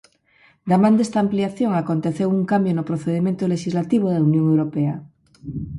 Da man desta ampliación aconteceu un cambio no procedemento lexislativo da Unión Europea.